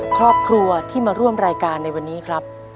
ครอบครัวที่มาร่วมรายการในวันนี้ครับ